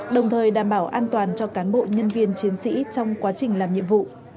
đồng thời đảm bảo an toàn cho cán bộ nhân viên chiến sĩ trong quá trình làm nhiệm vụ